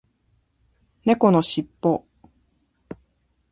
猫のしっぽ